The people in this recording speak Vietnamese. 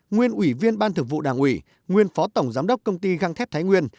nguyên ủy viên ban thực vụ đảng ủy nguyên phó tổng giám đốc công ty găng thép thái nguyên